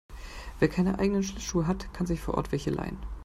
Wer keine eigenen Schlittschuhe hat, kann sich vor Ort welche leihen.